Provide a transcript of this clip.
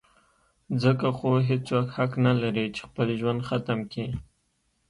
ځکه خو هېڅوک حق نه لري چې خپل ژوند ختم کي.